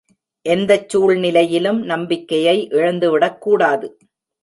எந்தச் சூழ்நிலையிலும் நம்பிக்கையை இழந்துவிடக்கூடாது.